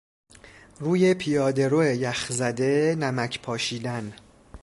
روی پیادهرو یخزده نمک پاشیدن